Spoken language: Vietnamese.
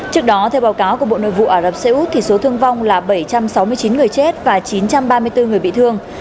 trước đó theo báo cáo của bộ nội vụ ả rập xê út thì số thương vong là bảy trăm sáu mươi chín người chết và chín trăm ba mươi bốn người bị thương